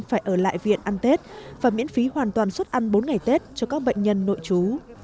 phải ở lại viện ăn tết và miễn phí hoàn toàn suất ăn bốn ngày tết cho các bệnh nhân nội chú